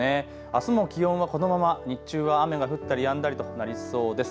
あすも気温はこのまま日中は雨が降ったりやんだりとなりそうです。